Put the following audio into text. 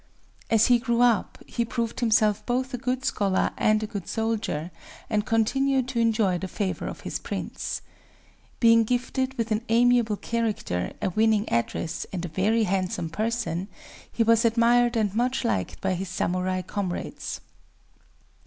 As he grew up, he proved himself both a good scholar and a good soldier, and continued to enjoy the favor of his prince. Being gifted with an amiable character, a winning address, and a very handsome person, he was admired and much liked by his samurai comrades.